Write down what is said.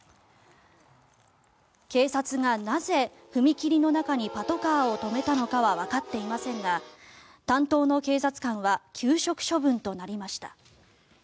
警察がなぜ、踏切の中にパトカーを止めたのかはわかっていませんが担当の警察官は休職処分となりました。